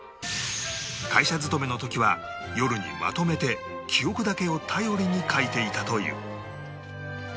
会社勤めの時は夜にまとめて記憶だけを頼りに描いていたという